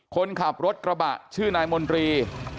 คนขับรถกระบะชื่อนายมนตรี